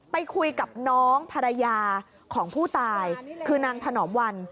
ไปคุยกับน้องภรรยาของผู้ตายคือนางถนอมวัน